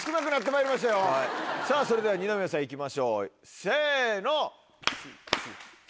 さぁそれでは二宮さんいきましょうせの！